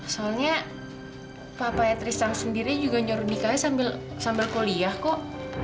soalnya papa trisang sendiri juga nyuruh nikahnya sambil kuliah kok